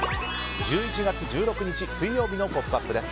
１１月１６日、水曜日の「ポップＵＰ！」です。